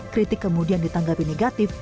kritik kemudian ditanggapi negatif